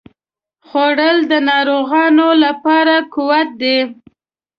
خوړل د ناروغانو لپاره قوت دی